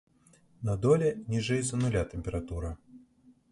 На доле ніжэй за нуля тэмпература.